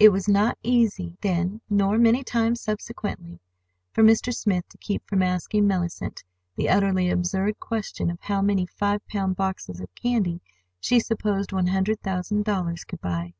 It was not easy then (nor many times subsequently) for Mr. Smith to keep from asking Mellicent the utterly absurd question of how many five pound boxes of candy she supposed one hundred thousand dollars would buy.